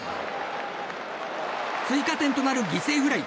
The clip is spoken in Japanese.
追加点となる犠牲フライ。